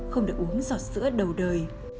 không được uống giọt sữa đầu đời